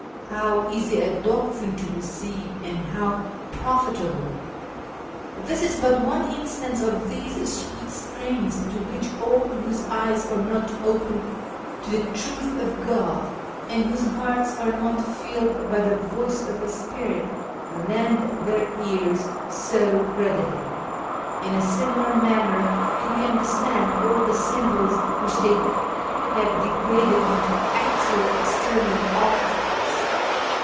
How easy a doctrine to receive, and how profitable ! This is but one instance of these ' sweet strains ' to which all whose eyes are not opened to the Truth of God, and whose hearts are not filled by the Voice of His Spirit, lend their ears so readily. In a similar manner do we understand all the symbols which they have degraded into actual external objects.